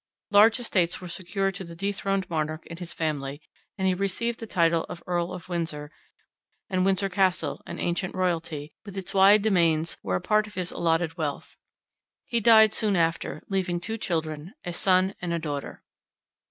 Large estates were secured to the dethroned monarch and his family; he received the title of Earl of Windsor, and Windsor Castle, an ancient royalty, with its wide demesnes were a part of his allotted wealth. He died soon after, leaving two children, a son and a daughter.